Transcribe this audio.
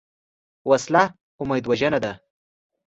وسله امید وژنه ده